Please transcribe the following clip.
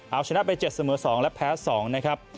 เอาชนะไป๗เสมอ๒และแพ้๒นะครับ